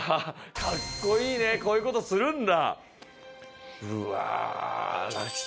かっこいいねこういうことするんだうわ泣き